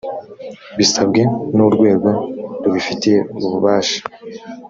bisabwe n’urwego rubifitiye ububasha